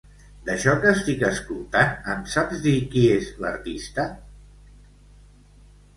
D'això que estic escoltant, em saps dir qui és l'artista?